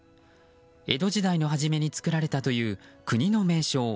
江戸時代の初めに作られたという国の名勝